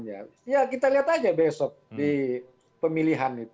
ya kita lihat aja besok di pemilihan itu